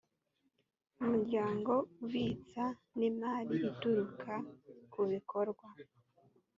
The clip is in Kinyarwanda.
umuryango ubitsa n imari ituruka ku bikorwa